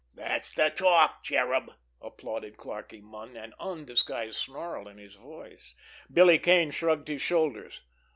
"Dat's de talk, Cherub!" applauded Clarkie Munn, an undisguised snarl in his voice. Billy Kane shrugged his shoulders.